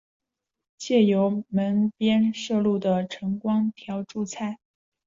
借由门边射入的晨光挑著菜